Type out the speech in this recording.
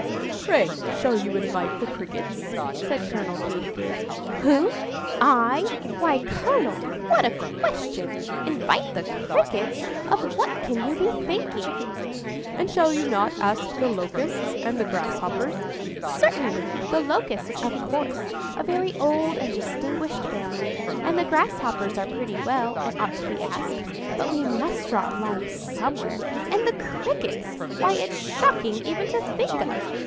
"Pray, shall you invite the Crickets?" said Colonel Katy did. "Who? I? Why, colonel, what a question! Invite the Crickets? Of what can you be thinking?" "And shall you not ask the Locusts, and the Grasshoppers?" "Certainly. The Locusts, of course,—a very old and distinguished family; and the Grasshoppers are pretty well, and ought to be asked. But we must draw a line somewhere,—and the Crickets! why, it's shocking even to think of!"